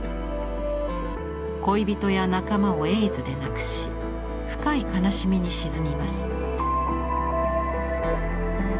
恋人や仲間をエイズで亡くし深い悲しみに沈みます。